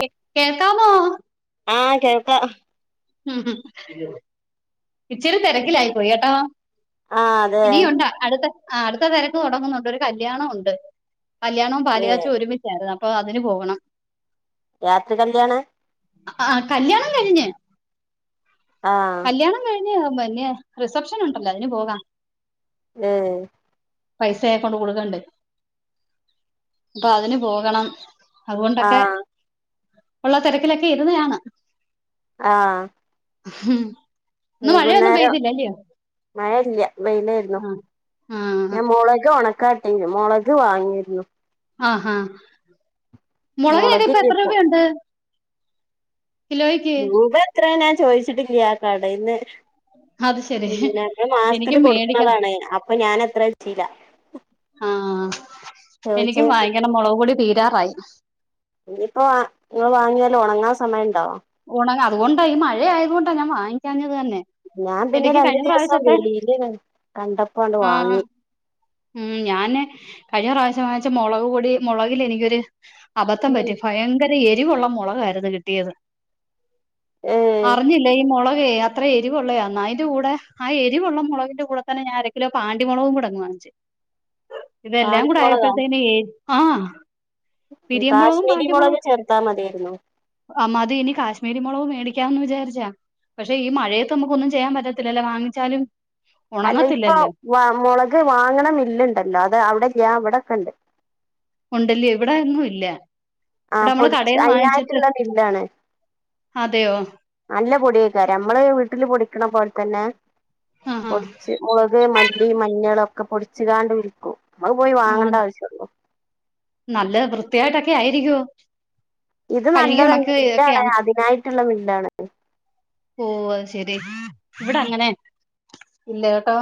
K കേക്കാമോ? ആ കേൾക്കാം. ഉ ഉം ഇച്ചിരി തെരക്കിലായിപ്പോയി ഏട്ടോ ആഹ് അതെ ഇനീയൊണ്ടോ അടുത്ത ആ അടുത്ത തെരക്ക് തുടങ്ങുന്നുണ്ട് ഒരു കല്യാണഒണ്ട്. കല്യാണോം ഏ പാല്കാച്ചും ഒരുമിച്ചാരുന്നപ് ഓ അതിന് പോകണം. രാത്രികല്യാണാ? ആ കല്യാണം കഴിഞ്ഞ്. ആ ഞ്ഞ് പിന്നേ റിസപ്ഷൻ ഉണ്ടല്ലോ, അതിന് പോകാ. ഉം പൈസയക്കൊണ്ട് കൊടുക്കണ്ട് അപ്പൊ അതിന് പോകണം അതുകൊണ്ടൊക്കെ ആഹ് ഉള്ള തിരക്കിലൊക്കെ ഇരുന്നയാണ് ആ ഹുമ് ഇന്ന് മഴയൊന്നും പെയ്തില്ല അല്ലയോ മഴ ഇല്ല വെയിലായിരുന്നു ആ ആ ഞാൻ മോളക് ഒണക്കാ [unintelligible] മുളക് വാങ്ങിരുന്നു ആ ഹ മുളകിനൊക്കെ ഇപ്പം മുളകില്ല എത്ര രൂപയുണ്ട്. കിലോയ്ക്ക് രൂപപത്രെണ് ചോയിച്ചിട്ടില്ല ആ കടെന്ന് അത് ശരി [unintelligible] മാസത്തില് എനിക്കും മേടിക്കണം കൊടുക്കുന്നതാണ് അപ്പൊ ഞാൻ എത്ര ചില ആ എനിക്കും വാങ്ങിക്കണം മുളക്പൊടി തീ.. [unintelligible] റായി ഇനിയിപ്പോ വ ങ്‌ഹേ വാങ്ങിയാലോ ഉണങ്ങാൻ സമയം ഉണ്ടോ [unintelligible] അതുകൊണ്ട ഈ മഴയായതുകൊണ്ടാ ഞാൻ വാങ്ങിക്കാഞ്ഞത് തന്നെ ഞാൻ പിന്നെ എനിക്ക് രണ്ടു കഴിഞ്ഞ ദിവസം പ്രാവശ്യത്തെ വെയില് ക കണ്ടപ്പോ അണ്ട് ആ വാങ്ങി. ഉം ഞാന് കഴിഞ്ഞ പ്രാവശ്യം വെച്ച മുളക് പൊടി മുളകിൽ എനിക്കൊരു അബദ്ധം പറ്റി ഭയങ്കര എരിവുള്ള മൊളകായിരുന്നു കിട്ടിയത് ഏ അറിഞ്ഞി ഷെ ഈ മൊളകേ അത്ര എരിവൊള്ളെയാന്ന് അയ്ന്റെ കൂടെ ആ എരിവൊള്ള മൊളകിന്റെ കൂടെ തന്നെ ഞാൻ അര കിലോ പാണ്ടി മൊളകും കൂടങ്ങ് വാങ്ങിച്ച് ഇതെല്ലാം കൂടെ പാണ്ടിമുളകാ ആയപ്പോഴത്തേന് ആ പിരിയൻ മൊളകും കാശ്മീരി പാണ്ടി മുളക് മൊളകും ചേർത്താ മതിയായിരുന്നു അ മതി ഇനി കാ മുളക് മേടിക്കാന്ന് വിചാരിച്ചാ പക്ഷെ ഈ മഴയത്ത് നമുക്ക് ഒന്നും ചെയ്യാൻ പറ്റത്തില്ലല്ലൊ വാങ്ങിച്ചാലും അല്ല ഇപ്പൊ ഉണങ്ങത്തില്ലല്ലോ വ മുളക് വാങ്ങണ മില്ല്ണ്ടല്ലോ അത് അവ്ടെ ല്യാ വ്ടെക്കണ്ട് ഉണ്ടല്ല്യോ ഇവിടെയൊന്നും ഇല്ല ആ ഇവിടെ നമ്മള് പൊടിച്ച് കടേന്ന് വാങ്ങിച്ചിട്ട് അയ്നായ്ട്ട്ള്ള മില്ലാണ് അതെയോ നല്ല പൊടിയെയ്ക്കാരം മ്മള് വീട്ടില് പൊടി ക്ക്ണ പോൽ തന്നെ ആഹാ പൊടിച്ച് മുളക് മല്ലി മഞ്ഞളൊ ക്കെ പൊടിച്ച്കാണ്ട് വിൽക്കും മ്മള് പോയി വാങ്ങണ്ട ആവശ്യൊള്ളൂ നല്ലത് വൃത്തിയായിട്ടൊക്കെ ആയിരിക്കുവോ ഇത് കഴുകി നല്ലതല്ലേ ഉണക്കി മില്ലാണ് ഒക്കെയാണ് അതിനായ്ട്ട്ള്ള മി താണത് ഓ അത്ശരി ഇവിടെ അങ്ങനെ ഇല്ല കെ ട്ടോ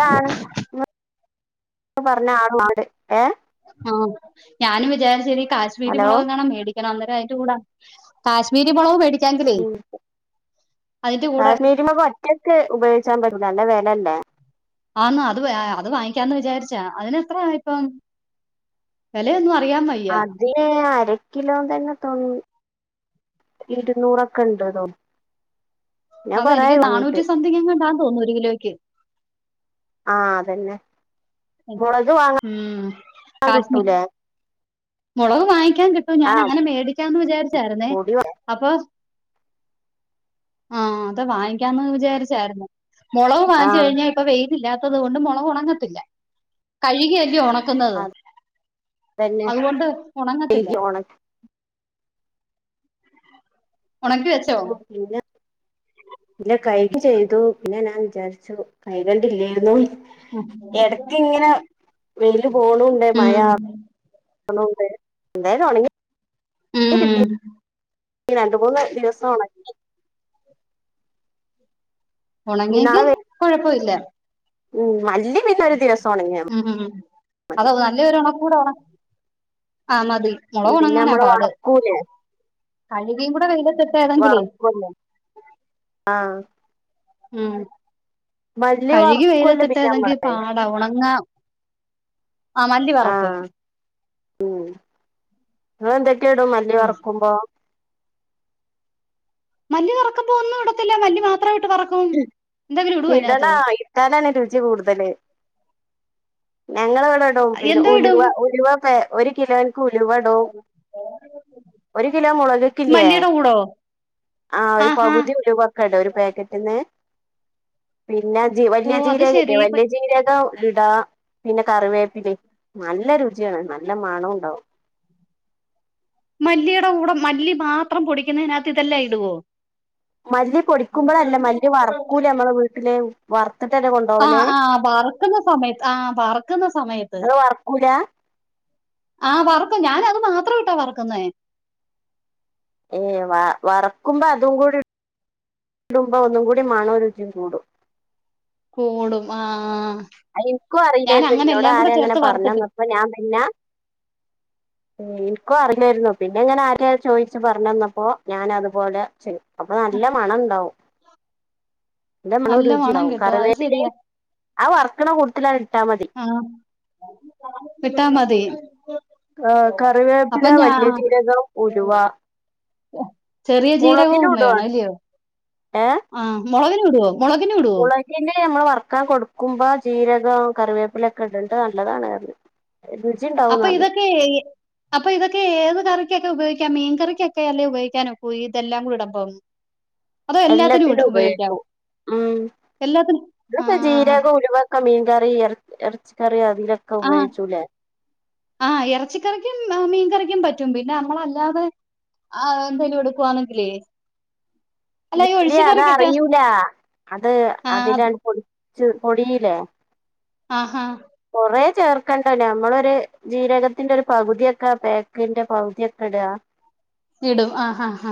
താണ് പ്പ പറഞ്ഞ ആറ് മാട് ആ ഞാനും വിചാരിച്ചത് കാശ്മീരി ഹലോ മുളകെങ്ങാണും മേടി ക്കണം അന്നേരം അയ്ന്റെ കൂടെ കാശ്മീരി മൊളക് മേടി ഉ കൂടെ കശ്മീരിമൊളക് ഒറ്റക്ക് ഉപയോഗിച്ചാൻ പറ്റൂല നല്ല വെലല്ലേ ആന്നും അത് അത് വാങ്ങിക്കാന്ന് വിചാരിച്ചാ അതിന് എത്രയാ ഇപ്പം വിലയൊന്നും അ അതിന് അരക്കിലോന്തന്നെ തൊ ഇര്നൂറൊക്കെണ്ട് തോ അത് എനിക്ക് നാനൂറ്റി സംതിങ്ങെങ്ങാണ്ടെന്ന് തോന്നുന്നു ഒരു കിലോയ്ക്ക് തന്നെ ഉം കാശ്മീ കിട്ടൂലേ മുളക് വാങ്ങി ങ്ങിക്കാൻ കിട്ടും ആ ഞാൻ അങ്ങനെ മേടിക്കാന്ന് വിചാരിച്ചായ്ര്ന്നേ പൊടി അപ്പൊ ആ അത് വാങ്ങിക്കാന്ന് വിചാരിച്ചായ്ര്ന്നു മൊളക് ആ വാങ്ങിച്ചു കഴിഞ്ഞാൽ ഇപ്പൊ വെയി ല്‌ല്ലാത്തത് കൊണ്ട് മൊളക് ഉണങ്ങത്തില്ല കഴുകി അല്ല്യോ ഒണ അ തന്നെ അതുകൊണ്ട് ഉണങ്ങത്തില്ല ഉണക്കി വെച്ചോ നോക്കില്ല ഇല്ല കൈ പ്പോ ചെയ്തു പിന്നെ ഞാൻ വിചാരിച്ചു കയി കണ്ടില്ലായിരുന്നു ഉം ഇടക്കിങ്ങനെ വെയില് പോണുണ്ട് മയ ഒണക്കുണൂണ്ട് എന്തായാലും ഒണങ്ങി ഉം ഈ രണ്ട് മൂന്ന് ദിവസം ഒണക്കി ഉണങ്ങിക്ക നാളെ കൊയ പോയില്ല ഉം മല്ലി പിന്നെ ഒരു ദിവസൊണങ്ങ്യ മ ഉം ഉം. അത് മതി [unintelligible] ആ മതി മൊളക് പിന്നെ ഉണങ്ങാനാ നമ്മള് പാട് വറക്കൂലേ കഴുകിയും കൂടെ വെയിലത്തിട്ട ഏതെങ്കിലേ വറക്കുവല്ലോ ഉം മല്ലി കഴുകി വറക്കുവല്ലോ വെയിലത്തിട്ട പിന്നെ നമ്മൾ ഏതെങ്കി പാട ഒണങ്ങാ ആ മല്ലി വറക്കും. ഉം [unintelligible] ക്കെ ഇടും മല്ലി ഉം. വറക്കുമ്പോ? മല്ലി വറക്കുമ്പോ ഒന്നും ഇടത്തില്ല മല്ലി മാത്രം. ഇടണോ [unintelligible] [unintelligible] കൂടുതല് [unintelligible] ഇടും ഉലുവ ഉലുവ ഒരു കിലോ ഉലുവടും ഒരു കിലോ മുളകക്കില്ലേ മല്ലിയുടെ കൂടോ ആ ഒരു ആഹാ പകുതി ഉലുവക്കെടോ ഒരു പാക്കറ്റ് പിന്ന ജ വല്യ ഓ അത് ജീരകല്ലെ ശരി വല്യ ജീരകം ട പിന്നെ കറിവേപ്പിലേം നല്ല നല്ല രുചിയാണ് നല്ല മണം ഉണ്ടാവും മല്ലിയുടെ കൂടെ മല്ലി മാത്രം പൊടിക്കുന്നതിനകത്ത് ഇതെല്ല ഇടുവോ മല്ലി പൊടിക്കുമ്പോളല്ല മല്ലി വറക്കൂലെ നമ്മളെ വീട്ടില് വർ ആ ആ വറക്കുന്ന സമയത്ത് ആ വറക്കുന്ന സമയത്ത് നിങ്ങള് വറക്കൂല ആ വർക്കും ഞാൻ അത് മാത്ര ഇട്ടാ വർക്കുന്നേ ഏ വ വറക്കുമ്പോ അതും കൂടി ഇട് ടുമ്പം ഒന്നും കൂടി മണോരുചിയും കൂടും- കൂടും ആഹ് - എനിക്കും അറിയില്ലായിരുന്നു ഇന്നോട് ആര അങ്ങനെ ചേർത്ത് വറുത്തിട്ട് പറഞ്ഞന്നപ്പോ ഞാൻ പിന്നെ- എനിക്കും അറില്ലായിരുന്നു പിന്നെ ഇങ്ങനെ ആരെയ ചോയിച്ചു പറഞ്ഞു തന്നപ്പോ ഞാന അതുപോലെ ചെയ്യും അപ്പൊ നല്ല മണ ഉണ്ടാവും നല്ല മണം രുചി ഉണ്ടാവും കിട്ടും അത് കറിവേപ്പിലയും ശരിയാ ആഹ് വെങ്ക്ണ കൊടുത്തില്ലായി ഇട്ടാ മതി വിട്ടാ മതി ആഹ് കറിവേപ്പില അപ്പൊ ഞാ വലിയജിരകം ഉലുവാ ചെറിയ മുളകിനു ജീരകവും വേണം ഇടുവാണ് അല്ലയോ ഏ ആഹ് മുളകിന് ഇടുവോ മുളകിന് ഇടുവോ മുളകിന്റെ നമ്മള് വർക്കാൻ കൊടുക്കുമ്പോ ജീരകവു കറിവേപ്പിലൊക്കെ ഇടിട്ട് നല്ലതാണത് അപ്പൊ ഇതൊക്കെ ഏ അപ്പൊ ഇതൊക്കെ ഏത് കറി കൊക്കെ ഉപോഗിക്കാം മീൻകറിക്കൊക്കെ അല്ലേ ഉയോഗിക്കാനൊക്കൂ ഇതെല്ലാം കൂഇട്മ്പോ എല്ലത്തിനും ഉപയോഗിക്കും ഉം എല്ലാത്തിനും ഇവിടൊക്കെ ആഹ് ജീരകം ഉലുവക്കെ മീൻ കറി എർ എർച്ചി കറി ആഹ് ആഹ് എറച്ചിക്കറിക്കും ആഹ് മീൻ കറി ക്കും പറ്റും പിന്നെ നമ്മള് അല്ലാതെ ആഹ് എന്തേലും എടുക്കു ആണെങ്കിലെ ഇല്ല അത് അറിയൂല അത് ആഹ് അതില [unintelligible] ച്ച് പൊടിയില്ലേ ആ ഹ കുറേ ചേർക്കണ്ടല്ലേ നമ്മളൊരു ജീരകത്തിന്റെ ഒരു പകുതിയൊക്കെ പേക്കിന്റെ പകുതിയൊക്കെ ഇട്കാ ഇടും ആഹ് ആഹ്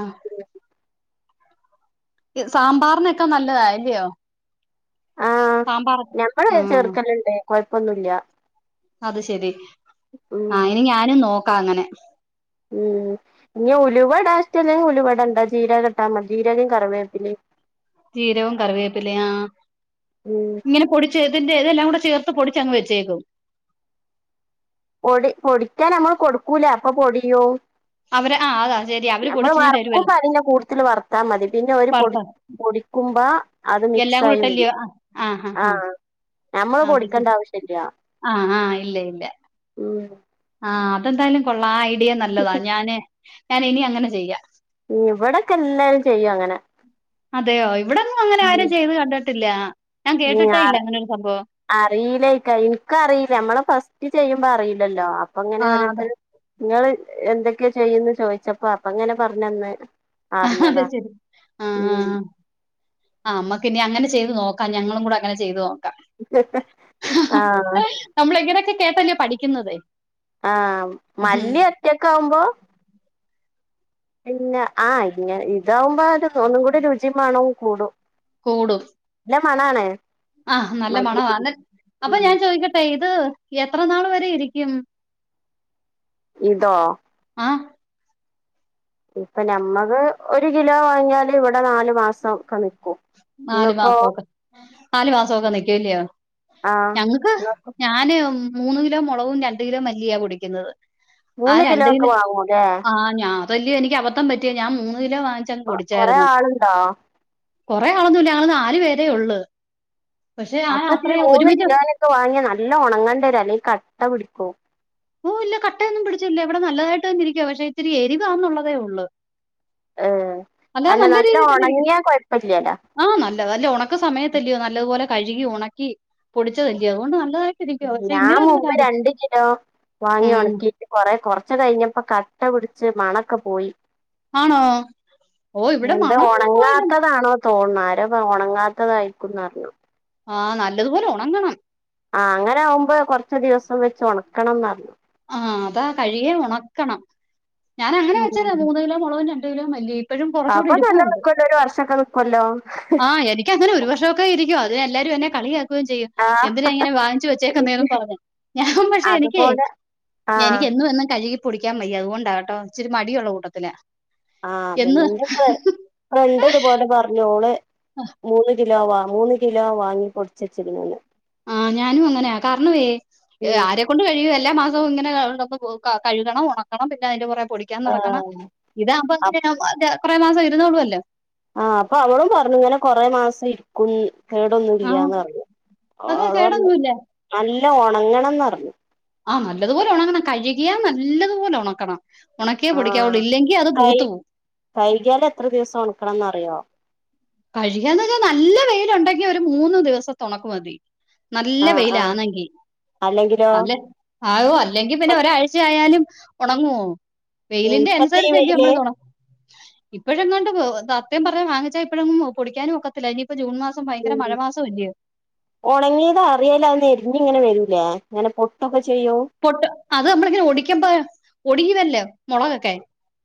ഇത് സാമ്പാറിനൊക്കെ നല്ലതാ അല്ലയോ ആ സാമ്പാറൊക്കെ ഞമ്മള് ആഹ് ചേർക്കല്ണ്ട് കൊഴപ്പൊന്നുല്ല അത് ശെരി ഉം ആ ഇനി ഞാനും നോ ക്ക അങ്ങനെ ഉം ഞ്ഞി ഉലുവ ഇടാൻ ഇഷ്ടല്ലെങ്കി ഉലുവ ഇടണ്ട ജീരകം ഇട്ട മതി ജീരകേം കറിവേപ്പിലേം ജീരകോം കറിവേപ്പിലേം ആ ഉം ഇങ്ങനെ പൊടിച്ച് ൻ്റെ ഇതെല്ലാം കൂടെ ചേർത്ത് പൊടിച്ചങ്ങ് വെച്ചേക്കും പൊടി പൊടിക്കാൻ നമ്മൾ കൊടുക്കൂലെ അപ്പൊ പൊടിയും അവര് ആഹ് അതാ ശെരി അവര് ഞമ്മൾ പൊടിച്ചിനി തരുവല്ലോ വറക്കുമ്പോ അതിന്റെ കൂട്ടത്തില് വറുത്താ മതി പിന്നെ ഓല് പൊടി വറുത്ത് പൊടിക്കുമ്പ അത് എല്ലാം മിക്സ് കൂടി ആയി വരും ഇട്ടല്ലയോ ആഹ് ആഹ് ആഹ് ആ ഞമ്മള് ആഹ് അത് പൊടിക്കണ്ട ശെരി ആവശ്യല്ല ആഹ് ആഹ് ഇല്ല ഇല്ല ഉം ആഹ് അതെന്തായാലും കൊള്ളാം ആ ഡിയ നല്ലതാ ഞാന് ഞാൻ ഇനി അങ്ങനെ ചെയ്യ ഇവിടെക്കെ എല്ലാരും ചെയ്യും അങ്ങനെ അതെയോ ഇവിടൊന്നും അങ്ങനെ ആരും ചെയ്ത് കണ്ടിട്ട് ട്ടില്ല ഉം അർ അറിയില്ല ട്ടോ ന്ക്ക അറിയില്ല നമ്മളെ ഫസ് ത് ചെയ്യുമ്പോ അറിയില്ലല്ലോ അപ്പൊ അങ്ങനെ ആഹ് അതാ. ഓരോരുത്തര് ഇങ്ങള് എന്തൊക്കെ ചെയ്യുന്നേ ചോയിച്ചപ്പോ അപ്പ ഇങ്ങനെ പറഞ്ഞന്ന് ഹ് അറിഞ്ഞതാ ഹ് ആ ഉം ആ ഞമ്മക്ക് ഇനി അങ്ങനെ ചെയ്ത് നോക്ക ആ ഞങ്ങളും കൂടെ അങ്ങനെ ചെയ്ത് നോ ഹ് ഹ് ഹ് ആഹ് നമ്മള് എങ്ങനെയൊക്കെ കേട്ട് പഠി ഇന്നതെ ആഹ് മല്ലി ഒറ്റയ്ക്കാമ്പോ? പിന്നെ ആ ഇങ്ങ ഇതാവുമ്പോ ത് ഒന്നും കൂടി രുചിമണോം കൂടും. കൂടും നല്ല മണാണ് ആഹ് നല്ല മല്ലി മണമാ ന്ന് അപ്പൊ ഉം ഞാൻ ചോയിക്കട്ടെ ഇത്. എത്ര നാള് വെരെയിരിക്കും? ഇതോ? [unintelligible] ഇപ്പൊ നമ്മക്ക് ഒരു കിലോ വാങ്ങിയാല് ഇവടെ നാലു മാസമൊക്ക് നി നലു മാസമൊക്കെ നാല് മാസൊക്കെ നിക്കും അല്ലയോ? ഞങ്ങക്ക് ആഹ് ഞാനു മൂന്ന് കിലോ മൊളവും രണ്ട് കിലോ മല്ലിയ പൊടിക്കുന്നത്. മൂന്ന് കിലോക്ക് വാങ്ങൂല്ലെ? തല്യോ എനിക്ക് അബത്തം പറ്റിയ ഞാൻമൂന്ന് ന്ന് കിലോ വാങ്ങിച്ച കൊറേ കുടിച്ചായിരുന്നു. ആളുണ്ടോ കൊറെേ ആളൊന്നുല്ല. ഞങ്ങള് നാല് പേരേ ഒള്ള്. അപ്പൊ ജ് മൂന്ന് കിലോനക്കെ വാങ്ങിയ നല്ല ഉണങ്ങേണ്ടര അല്ലെങ്കി ക അവിടിക്കോ? ഓ ഇല്ല കട്ടയൊന്നും പിടിച്ചില്ല. ഇവിടെ നല്ലതായിട്ട് തന്നിരിക്കുവ. പക്ഷെ ഇത്തിരി എരിവന്നുള്ളതേ ഒള്ള്. ആഹ്. അല്ലാതെ നല്ല രീതിയിൽ തന്നെ ഇരിക്കുന്നു. ആഹ് നല്ല നല്ല ഉണക്ക സമയത്തല്യോ നല്ലതുപോലെ കഴുകി ഉണക്കി പൊടിച്ചതല്ലിയോ അതുകൊണ്ട് നല്ല ഞാൻ മുമ്പ് രണ്ട് കിലോ വാങ്ങി ഉം ഒണക്കിട്ട് കൊറെ കൊറച്ച കഴിഞ്ഞപ്പ ക ട്ട പിടിച്ച് മണക്ക പോയി. ആണോ ഓ ഇവിടെ മാണോന്നു പോയില തോന്നാര ഒണങ്ങാത്തതായിരിക്കുന്നറഞ്ഞു. ആഹ് നല്ലതുപോലെ ഒണങ്ങണം. ആഹ് അങ്ങനെ ആവുമ്പം കൊറച്ച ദിവസം വെച്ച് ഒണക്കണംന്നറഞ്ഞു. ആഹ് അതാ കഴിയെ ഒണക്കണം. ഞാന അങ്ങനെച്ചത മൂന്ന് കിലോ മുളവിന് രണ്ട് കിലോ മല്ലിയി ഇപ്പഴും കുറച്ചൂടി അപ്പൊ ഇരിപ്പും നല്ല ഉണ്ട്. നിക്കുമല്ലോ ഒരു വർഷമൊക്കെ നിക്കുമല്ലോ ആ എനിക്കങ്ങനെ ഒരു വഷർക്കെ ഇരിക്കും അ ത് എല്ലാരും എന്നെ കളിയ ക്കുകയും ചെയ്യും ആ എന്തിന ഇങ്ങനെ വാങ്ങിച്ചു വെച്ചേക്കുന്നേന്നും പറഞ് ഞാൻ പക്ഷെ എനിക്കെ അതുപോലെ ആ എനിക്കെന്നുവെന്നു കഴുകാ - ഈ പൊടിക്കാൻ വയ്യ അതുകൊണ്ടാ കേട്ടോ ഇച്ചിരി മടിയുള്ള കൂട്ടത്തില. ആഹ് അത നിന്റെ ഫ്ര ഫ്രണ്ട് ഇതുപോലെ പറഞ്ഞുഓള് മൂന്ന് ദി കിലോ വ മൂന്ന് കിലോ വാങ്ങി പൊടിച്ചച്ചിരുന്നുന്ന്. ആഹ് ഞാനും അങ്ങനെയാ കാരണവേ ഉം ആരെക്കൊണ്ട് കഴിയും എല്ലാ മാസ വും ഇങ്ങനെ കഴുകണം ഒണക്കണം പിന്നെ അയിന്റെപുറ പൊടിക്കാൻ നടക്കണം ആഹ് ഇതാകുമ്പങ്ങ കൊറെറ മാസം ഇരുന്നോളുവല്ലോ. ആഹ് അപ്പൊ അവളും പറഞ്ഞു ഇങ്ങനെ കൊറെ മാസം ഇരിക്കും- കേടൊന്നും ആ ഇല്ല്യാന്ന് പറഞ്ഞു. അത് അവള് പറഞ്ഞു കേടൊന്നുമില്ല നല്ല ഒണങ്ങണംന്ന് റഞ്ഞു. ആ നല്ലതുപോലെ ഉണങ്ങണം കഴുകിയാ നല്ലതുപോലെ ഉണക്കണം ഉണക്കിയേ ആ പൊടിക്കാവുള്ളൂ ഇല്ലെങ്കിൽ അത് പൂത്തു കഴി പോകും കഴികായാല് എത്ര ദിവസം ഉണക്കണംന്ന് അറിയോ കഴികിയന്ന് നല്ല വെയിലൊണ്ടെങ്കി ഒരു മൂന്നു ദിവസത്തെ ഉണക്ക് മതി നല്ല ആഹ് ആഹ് വെയിലാന്നെങ്കി അല്ലെങ്കിലോ നല്ല ആയോ അല്ലെങ്കി പിന്നെ ഒരാഴ്ചയാലും- ഒണങ്ങുമോ വെയിലിന്റെ ഇപ്പത്തെ ഈ അനുസരിച്ചല്ലിയോ വെയില് [unintelligible] ഇപ്പഴെങ്ങാണ്ട് അ സത്യം പറഞ്ഞാ വാങ്ങിച്ചാൽ ഇപ്പഴൊന്നും പിടിക്കാനും ഒക്കത്തില്ല ഉ ഭയങ്കര മഴ മാസം അല്ലയോ ഒണങ്ങിയത് അറിയേല്ലാന്നേ അത് എരിഞ്ഞിങ്ങനെ വരും അല്ല അങ്ങനെ പൊട്ടൊക്കെ ചെയ്യും പൊട്ട് അത് നമ്മളിങ്ങനെ ഒടിക്കുമ്പ പൊടിയുവല്ലോ മൊളകൊക്കെ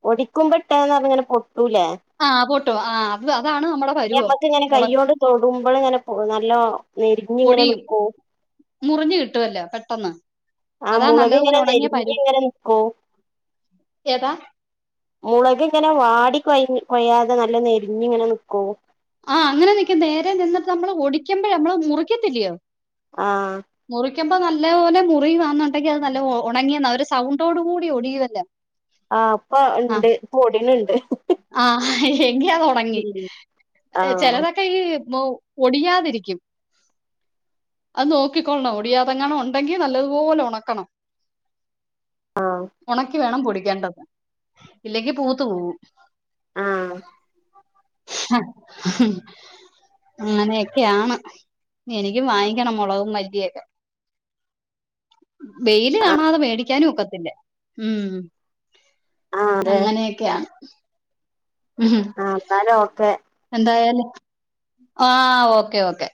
പോടിക്കുമ്പോ ഇട്ടതെന്ന് പറഞ്ഞാല് പൊ ട്ടുല്ലേ ആഹ് അപ്പ നമ്മക്ക് ഇങ്ങനെ കയ്യോണ്ട് തൊട്മ്പള് ഇങ്ങനെ നല്ലോ ഞെരിഞ് ഇങ്ങനെ ഒടിയും നിക്കോ. ഒന്ന് ആ മുളക് ഇങ്ങനെ നെരിഞ്ഞ് ഇങ്ങനെ നിക്കോ ഏതാ മുളക് ഇങ്ങനെ വാടി കൊയ്ഞ്ഞ് കൊഴയാതെ നല്ല നെര് ഞ്ഞ് ഇങ്ങനെ നിക്കോ? ആ അങ്ങനെ നിക്കും. നേരെ നിന്നിട്ട് നമ്മൾ ഒടിക്കുമ്പോഴ നമ്മള് മുറിക്കത്തില്ലയോ. ആഹ്. ക്കുമ്പോ നല്ല പോലെ മുറിയുവാന്നുണ്ടെങ്കി അത് നല്ല ഒണങ്ങിയെന്ന ഒരു സൗണ്ടോടു കൂടി ഒടിയുവല്ലാ. ആ അപ്പ ഇണ്ട്. പ്പ ഒടിണ് ണ്ട്. ആഹ്. ഇല്യാ അതൊണങ്ങി ണ്ട് ആഹ് ചെലതൊക്കെ ഈ ഒടിയാതിരിക്കും. അത് നോക്കിക്കൊള്ള്ണം. ഒടിയാതെങ്ങാനും ഒണ്ടെങ്കി നല്ലതുപോലെ ഒണക്കണം. ആഹ് ഒണക്കി വേണം പൊടി [unintelligible] ഇല്ലെങ്കി പൂത്ത് പോവും. ആഹ് അങ്ങനെയൊക്കെയാണ് എനിക്ക് വാങ്ങി ക്കണം മൊളകും മല്ലിയൊക്കെ. വെയില് കാണാതെ മേടിക്കാനും ഒക്ക തില്ല ഉം. ആഹ് അങ്ങനെയൊക്കെയാന്ന്. ആ കാലോക്കെ എന്തായാലും ആ ഓക്കെ ഓക്കെ.